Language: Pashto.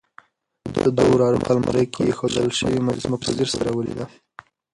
د ده وراره په المارۍ کې اېښودل شوې مجسمه په ځیر سره ولیده.